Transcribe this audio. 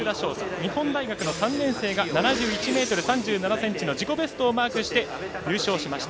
日本大学の３年生が７１ｍ３７ｃｍの自己ベストをマークして優勝しました。